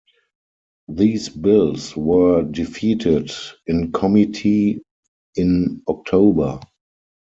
These bills were defeated in committee in October.